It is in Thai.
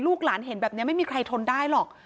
หลานเห็นแบบนี้ไม่มีใครทนได้หรอก